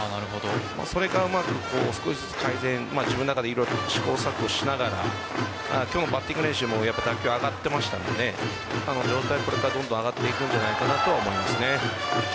それから少しずつ自分の中で色々試行錯誤しながら今日のバッティング練習でも打球、上がっていましたので状態がこれからどんどん上がっていくんじゃないかなとは思います。